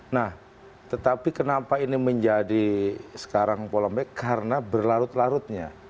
nah tetapi kenapa ini menjadi sekarang polemik karena berlarut larutnya